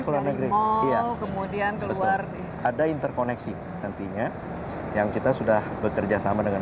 keluar negeri kemudian keluar ada interkoneksi nantinya yang kita sudah bekerjasama dengan